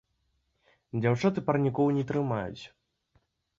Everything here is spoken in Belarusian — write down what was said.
Дзяўчаты парнікоў не трымаюць.